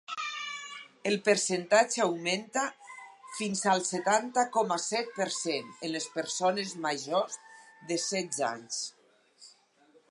El percentatge augmenta fins al setanta coma set per cent en les persones majors de setze anys.